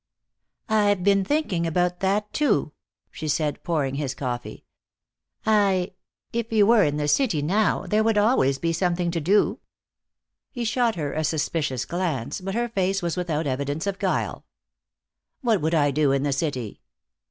"I've been thinking about that, too," she said, pouring his coffee. "I if you were in the city, now, there would always be something to do." He shot her a suspicious glance, but her face was without evidence of guile. "What would I do in the city?"